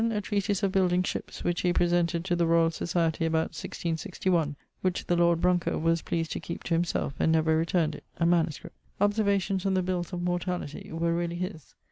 A treatise of building shippes, which he presented to the Royall Societie about 1661; which the lord Brounker was pleased to keepe to himselfe, and never returned it; a MS. Observations on the Bills of Mortality were really his.